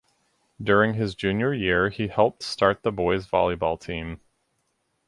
During his junior year he helped start the boys volleyball team.